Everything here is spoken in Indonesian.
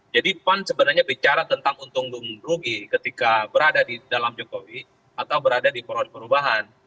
jadi pan sebenarnya bicara tentang untung untung rugi ketika berada di dalam jokowi atau berada di poros perubahan